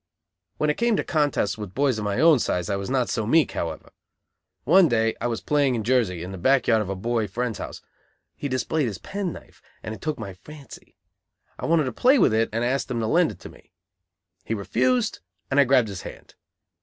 When it came to contests with boys of my own size I was not so meek, however. One day I was playing in Jersey, in the back yard of a boy friend's house. He displayed his pen knife, and it took my fancy. I wanted to play with it, and asked him to lend it to me. He refused, and I grabbed his hand.